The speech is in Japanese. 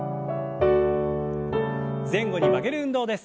前後に曲げる運動です。